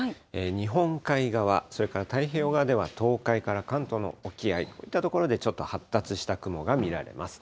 日本海側、それから太平洋側では東海から関東の沖合、こういった所でちょっと発達した雲が見られます。